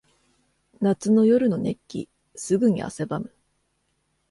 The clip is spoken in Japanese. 夏の夜の熱気。すぐに汗ばむ。